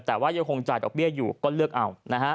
แต่ว่ายังคงจ่ายดอกเบี้ยอยู่ก็เลือกเอา